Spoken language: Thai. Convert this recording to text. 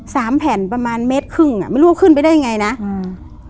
สามแผ่นประมาณเมตรครึ่งอ่ะไม่รู้ว่าขึ้นไปได้ยังไงนะอืม